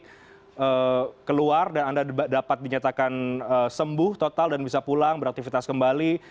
anda keluar dan anda dapat dinyatakan sembuh total dan bisa pulang beraktivitas kembali